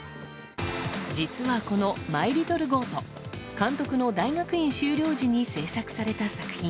実はこの「マイリトルゴート」監督の大学院修了時に制作された作品。